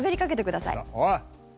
おい！